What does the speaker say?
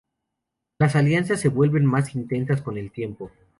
Las alianzas se vuelven más intensas con el tiempo.